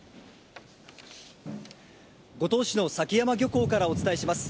五島市のさきやま漁港からお伝えします。